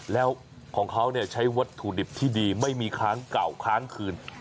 แล้วของเขาใช้วัตถุดิบที่ดีไม่มีค้างเก่าค้างคืน